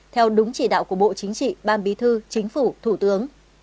theo đúng chỉ đạo của bộ chính trị ban bí thư chính phủ thủ tướng